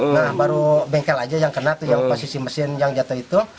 nah baru bengkel aja yang kena tuh yang posisi mesin yang jatuh itu